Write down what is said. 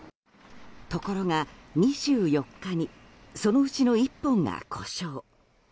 ところが、２４日にそのうちの１本が故障。